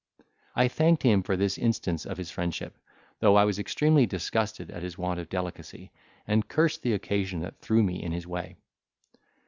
I thanked him for this instance of his friendship, though I was extremely disgusted at his want of delicacy, and cursed the occasion that threw me in his way.